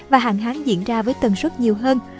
và hạn hán diễn ra với tần suất nhiều hơn